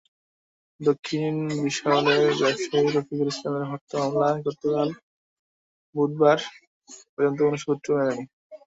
দক্ষিণ বিশিলের ব্যবসায়ী রফিকুল ইসলাম হত্যা মামলায় গতকাল বুধবার পর্যন্ত কোনো সূত্র মেলেনি।